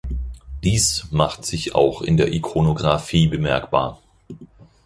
Dies macht sich auch in der Ikonografie bemerkbar.